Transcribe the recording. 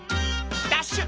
ダッシュ！